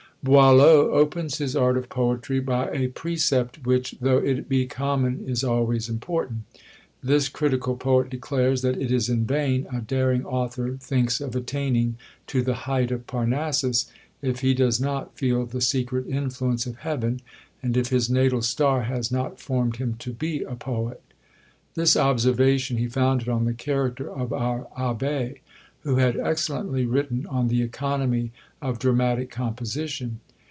Boileau opens his Art of Poetry by a precept which though it be common is always important; this critical poet declares, that "It is in vain a daring author thinks of attaining to the height of Parnassus if he does not feel the secret influence of heaven, and if his natal star has not formed him to be a poet." This observation he founded on the character of our Abbé; who had excellently written on the economy of dramatic composition.